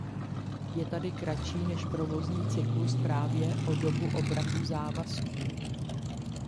Je tedy kratší než provozní cyklus právě o dobu obratu závazků.